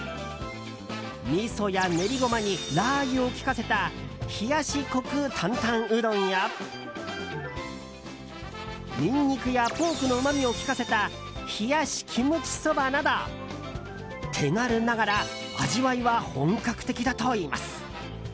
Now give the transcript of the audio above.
みそや練りゴマにラー油を利かせた冷しこく担々うどんやニンニクやポークのうまみを利かせた冷しキムチそばなど手軽ながら味わいは本格的だといいます。